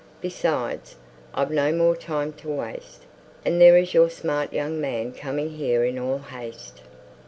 Besides, I've no more time to waste; and there's your smart young man coming here in all haste."